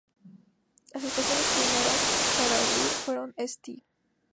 Las estaciones primeras para abrir fueron St.